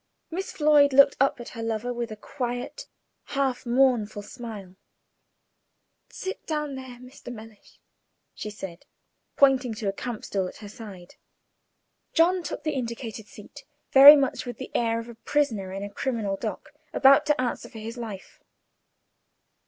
Miss Floyd looked up at her lover with a quiet, half mournful smile. "Sit down there, Mr. Mellish," she said, pointing to a camp stool at her side. John took the indicated seat, very much with the air of a prisoner in a criminal dock about to answer for his life.